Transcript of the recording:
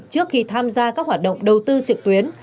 trước khi tham gia các hoạt động đầu tư trực tuyến